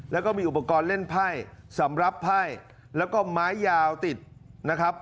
แล้วก็มีอุปกรณ์เล่นไพ่สำหรับไพ่แล้วก็ไม้ยาวติดนะครับ